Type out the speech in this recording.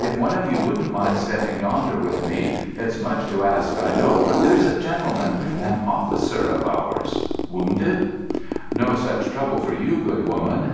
"If one of you wouldn't mind stepping yonder with me. It's much to ask, I know. But there's a gentleman—an officer of ours——" "Wounded?" "No such trouble for you, good woman.